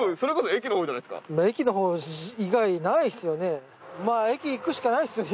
駅のほう以外ないっすよね。